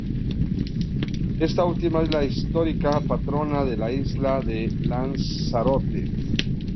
Esta última es la histórica patrona de la isla de Lanzarote.